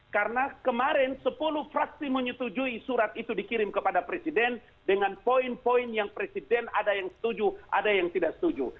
karena kemarin sepuluh fraksi menyetujui surat itu dikirim kepada presiden dengan poin poin yang presiden ada yang setuju ada yang tidak setuju